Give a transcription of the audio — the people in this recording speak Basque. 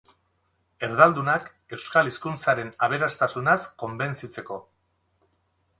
Erdaldunak euskal hizkuntzaren aberastasunaz konbenzitzeko.